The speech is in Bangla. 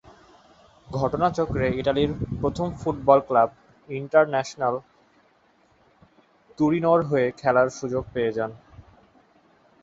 ঘটনাচক্রে ইতালির প্রথম ফুটবল ক্লাব ইন্টারন্যাশিওনাল তুরিনোর হয়ে খেলার সুযোগ পেয়ে যান।